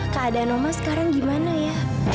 keadaan oma sekarang gimana ya